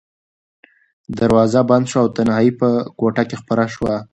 دروازه بنده شوه او تنهایي بیا په کوټه کې خپره شوه.